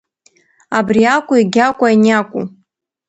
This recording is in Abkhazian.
Абриакәу, егьиакәу, аниакәу?!